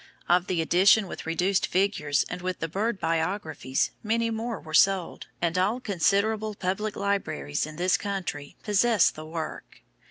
Of the edition with reduced figures and with the bird biographies, many more were sold, and all considerable public libraries in this country possess the work.